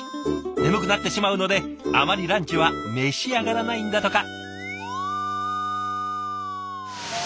眠くなってしまうのであまりランチは召し上がらないんだとか。